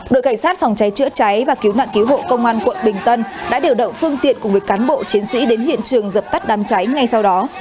đội cảnh sát phòng cháy chữa cháy và cứu nạn cứu hộ công an quận bình tân đã điều động phương tiện cùng với cán bộ chiến sĩ đến hiện trường dập tắt đám cháy ngay sau đó